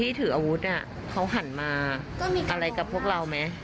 มีถืออีกอย่างแล้วก็ชี้หน้าหรอใช่ค่ะ